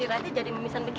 berasanya ada apa yang lalu